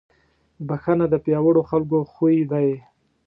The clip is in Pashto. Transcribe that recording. بښنه د پیاوړو خلکو خوی دی.